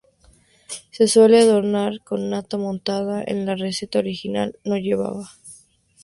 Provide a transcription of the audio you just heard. Se suele adornar con nata montada pero la receta original no llevaba.